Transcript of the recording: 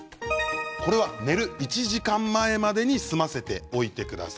寝る１時間前までに済ませておいてください。